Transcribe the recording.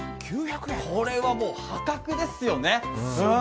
これはもう破格ですよね。